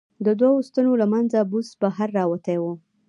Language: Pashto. د دوو ستنو له منځه بوس بهر را وتي و.